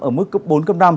ở mức cấp bốn cấp năm